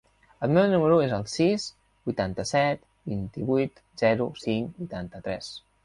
El meu número es el sis, vuitanta-set, vint-i-vuit, zero, cinc, vuitanta-tres.